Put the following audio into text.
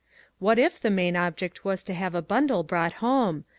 " What if the main object was to have a bundle brought home?